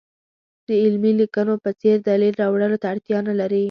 د علمي لیکنو په څېر دلیل راوړلو ته اړتیا نه لري.